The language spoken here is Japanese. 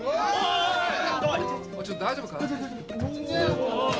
おいちょっと大丈夫か？